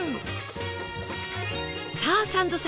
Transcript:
さあサンドさん